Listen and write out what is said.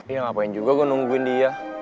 ya ngapain juga gue nungguin dia